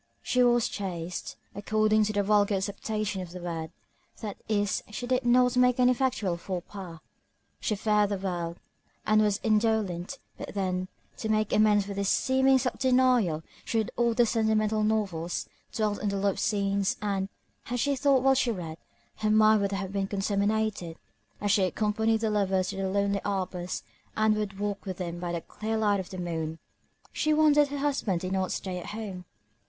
She was chaste, according to the vulgar acceptation of the word, that is, she did not make any actual faux pas; she feared the world, and was indolent; but then, to make amends for this seeming self denial, she read all the sentimental novels, dwelt on the love scenes, and, had she thought while she read, her mind would have been contaminated; as she accompanied the lovers to the lonely arbors, and would walk with them by the clear light of the moon. She wondered her husband did not stay at home.